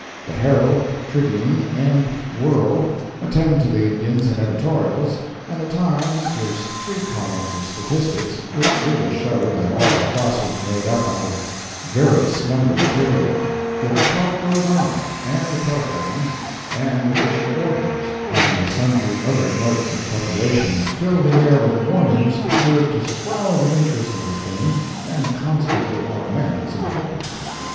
The Herald, Tribune, and World attend to the Indians in editorials, and the Times gives three columns of statistics which really show that all the fuss is made up out of very slender material; yet the talk goes on, and the telegrams, and official orders, and the sundry other notes of preparation that fill the air with warnings serve to swell the interest of the thing and constantly augment its importance.